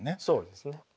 そうですね。